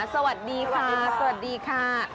สวัสดีค่ะสวัสดีค่ะ